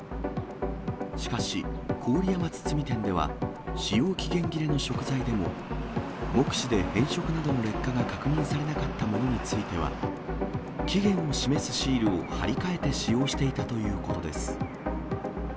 しかし、郡山堤店では、使用期限切れの食材でも、目視で変色などの劣化が確認されなかったものについては、期限を示すシールを貼り替えて使用していたということです。